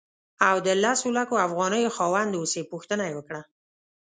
او د لسو لکو افغانیو خاوند اوسې پوښتنه یې وکړه.